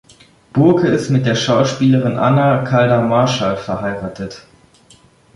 Burke ist mit der Schauspielerin Anna Calder-Marshall verheiratet.